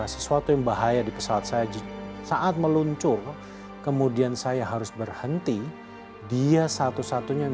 sesuatu yang bahaya di pesawat saya saat meluncur kemudian saya harus berhenti dia satu satunya yang